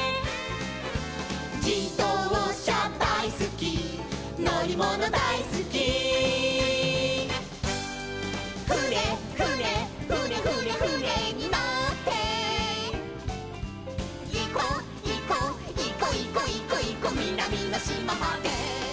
「じどうしゃだいすきのりものだいすき」「ふねふねふねふねふねにのって」「いこいこいこいこいこいこみなみのしままで」